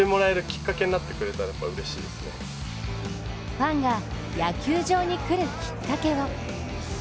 ファンが野球場に来るきっかけを。